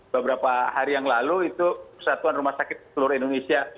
beberapa hari yang lalu itu satuan rumah sakit seluruh indonesia